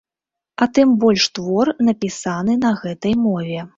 А тым больш твор, напісаны на гэтай мове.